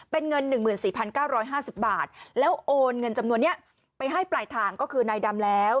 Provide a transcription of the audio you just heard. เป็นเงิน๑๔๙๕๐บาทแล้วโอนเงินจำนวนนี้ไปให้ปลายทางก็คือนายดำแล้ว